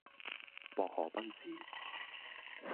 薄荷賓治